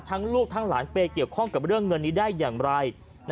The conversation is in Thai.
ลูกทั้งหลานเปย์เกี่ยวข้องกับเรื่องเงินนี้ได้อย่างไร